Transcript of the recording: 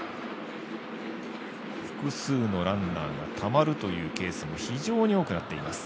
複数のランナーがたまるというケースも非常に多くなっています。